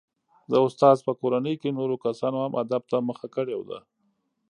د استاد په کورنۍ کې نورو کسانو هم ادب ته مخه کړې ده.